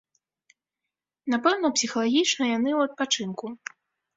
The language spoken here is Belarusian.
Напэўна, псіхалагічна яны ў адпачынку.